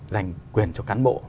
dành quyền cho cán bộ